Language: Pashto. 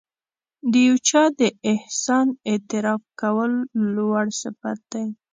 د یو چا د احسان اعتراف کول لوړ صفت دی.